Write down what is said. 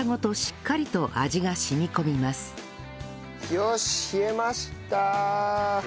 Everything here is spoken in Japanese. よし冷えました！